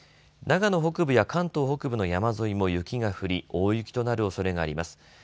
長野北部や関東北部の山沿いも雪が降り大雪となるおそれがあります。